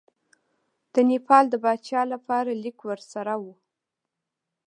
د نیپال د پاچا لپاره لیک ورسره وو.